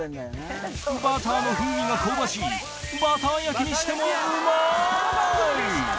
バターの風味が香ばしいバター焼きにしてもうまい！